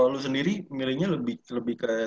lo sendiri milihnya lebih ke